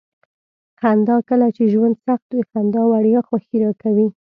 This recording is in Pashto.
خندا: کله چې ژوند سخت وي. خندا وړیا خوښي راکوي.